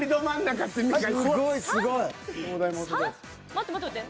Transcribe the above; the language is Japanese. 待って待って待って。